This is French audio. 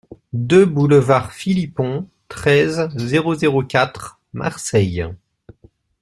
deux boulevard Philippon, treize, zéro zéro quatre, Marseille